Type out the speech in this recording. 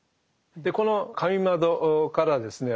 でこの神窓からですね